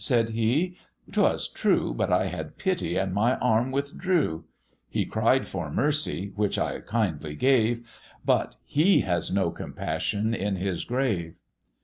said he: 'Twas true, But I had pity and my arm withdrew: He cried for mercy, which I kindly gave, But he has no compassion in his grave.